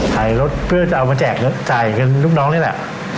รถเพื่อจะเอามาแจกจ่ายเงินลูกน้องนี่แหละ